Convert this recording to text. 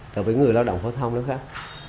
tại vì người lao động phổ thông nó khác